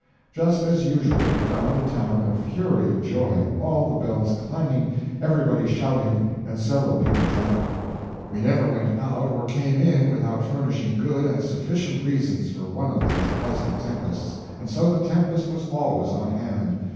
Just as usual, we found the town in a fury of joy, all the bells clanging, everybody shouting, and several people drunk. We never went out or came in without furnishing good and sufficient reasons for one of these pleasant tempests, and so the tempest was always on hand.